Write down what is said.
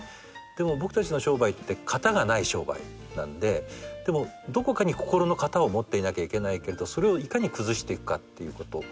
でも僕たちの商売って型がない商売なんででもどこかに心の型を持っていなきゃいけないけどそれをいかに崩していくかっていうこと。